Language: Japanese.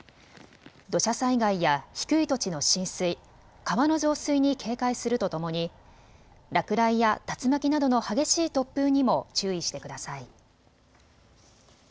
土砂災害や低い土地の浸水、川の増水に警戒するとともに落雷や竜巻などの激しい突風にも注意してください。